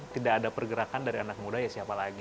tidak ada pergerakan dari anak muda ya siapa lagi